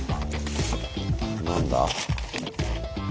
何だ？